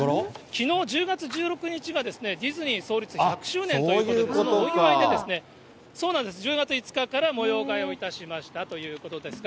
きのう１０月１６日がディズニー創立１００周年ということで、そのお祝いで、１０月５日から模様替えをいたしましたということですが。